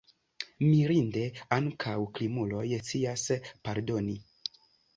Mirinde, ankaŭ krimuloj scias pardoni!